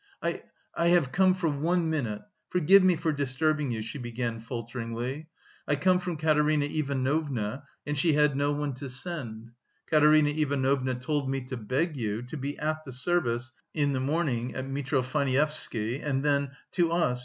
"I... I... have come for one minute. Forgive me for disturbing you," she began falteringly. "I come from Katerina Ivanovna, and she had no one to send. Katerina Ivanovna told me to beg you... to be at the service... in the morning... at Mitrofanievsky... and then... to us...